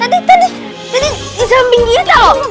tadi tadi tadi di samping dia tau